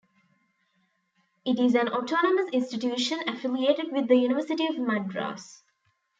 It is an autonomous institution affiliated with the University of Madras.